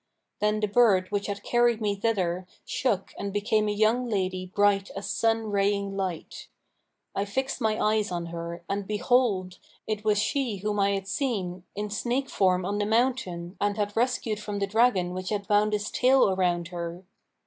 Then the bird which had carried me thither shook and became a young lady bright as sun raying light. I fixed my eyes on her and behold, it was she whom I had seen, in snake form on the mountain and had rescued from the dragon which had wound his tail around her.